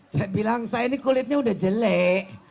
saya bilang saya ini kulitnya udah jelek